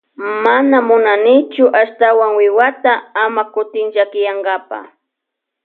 Mana munanichu ashtawan wiwata ama kutin llakiyankapa.